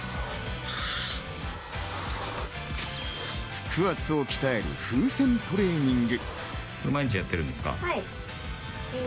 腹圧を鍛える風船トレーニング。